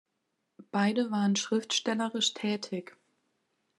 Beide waren schriftstellerisch tätig.